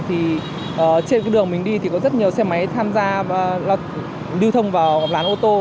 thì trên cái đường mình đi thì có rất nhiều xe máy tham gia lưu thông vào làn ô tô